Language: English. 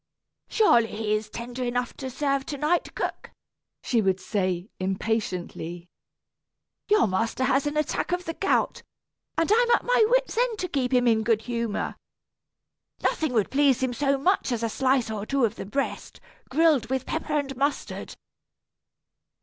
"Surely he is tender enough to serve to night, cook," she would say, impatiently. "Your master has an attack of the gout, and I am at my wit's end to keep him in good humor. Nothing would please him so much as a slice or two of the breast, grilled with pepper and mustard."